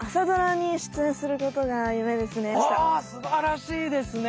すばらしいですね！